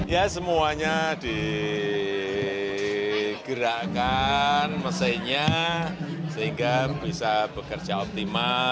ya semuanya digerakkan mesinnya sehingga bisa bekerja optimal